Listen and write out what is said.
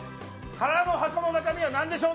「空の箱の中身は何でしょう？